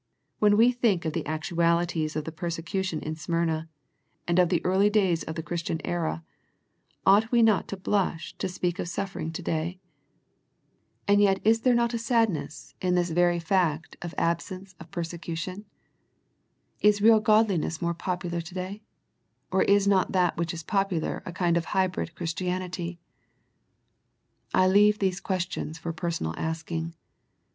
When we think of the actualities of the persecution in Smyrna, and of the early days of the Christian era, ought we not to blush to speak of suffering to day ? And yet is there not a sadness in this The Smyrna Letter jj very fact of absence of persecution? Is real Godliness more popular to day, or is not that which is popular a kind of hybrid Christianity ? I leave these questions for personal asking.